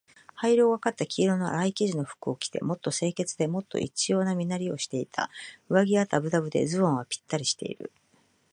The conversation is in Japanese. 灰色がかった黄色のあらい生地の服を着て、もっと清潔で、もっと一様な身なりをしていた。上衣はだぶだぶで、ズボンはぴったりしている。